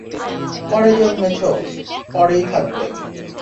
পরে জন্মেছ, পরেই থাকবে।